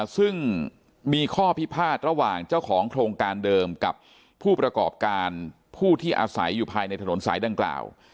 ซึ่งมีข้อพิพาทระหว่างเจ้าของโครงการเดิมกับผู้ประกอบการผู้ที่อาศัยอยู่ภายในถนนสายดังกล่าว